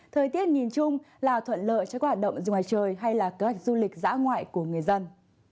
thời tiết nhìn chung là thuận lợi cho các hoạt động dù ngoài trời hay là kế hoạch du lịch dã ngoại của người dân